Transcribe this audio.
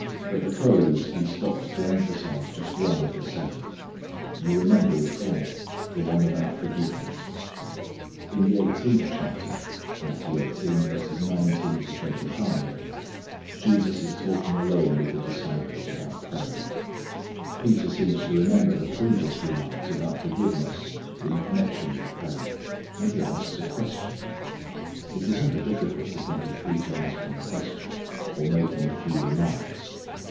At the close He stops to emphasize just one of the seven. You remember which one; the one about forgiveness. In the eighteenth chapter Jesus is talking alone with the disciples about prayer. Peter seems to remember the previous remarks about forgiveness in connection with prayer; and he asks a question. It is never difficult to think of Peter asking a question or making a few remarks.